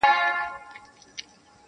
o حقيقت لا هم پټ دی ډېر,